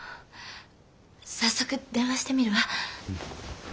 早速電話してみるわ。